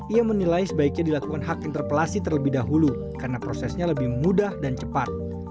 ia menilai sebaiknya dilakukan hak interpelasi terlebih dahulu karena prosesnya lebih mudah dan cepat